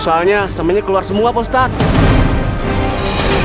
soalnya semennya keluar semua ustadz